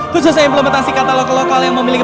khususnya implementasi katalog lokal yang memiliki